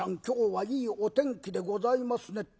今日はいいお天気でございますね』